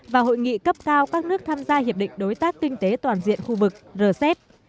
và hội nghị cấp cao các nước tham gia hiệp định đối tác kinh tế toàn diện khu vực rcep